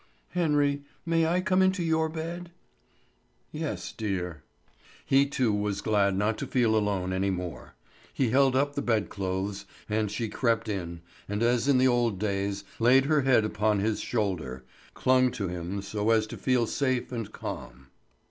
"Henry, may I come into your bed?" "Yes, dear." He too was glad not to feel alone any more. He held up the bedclothes, and she crept in, and as in the old days laid her head upon his shoulder, clung to him so as to feel safe and calm.